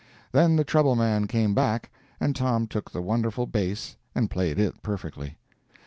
Then the treble man came back, and Tom took the wonderful bass and played it perfectly.